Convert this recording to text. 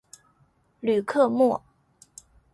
吕克莫。